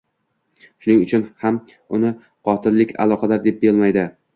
Shuning uchun ham uni qotillik aloqador deb bo`lmaydi